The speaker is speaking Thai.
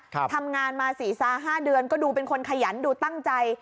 ทำงานมา๔๕เดือนก็ดูเป็นคนขยันดูตั้งใจ